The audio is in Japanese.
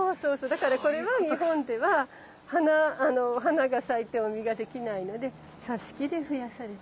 だからこれは日本では花が咲いても実ができないので挿し木で増やされた。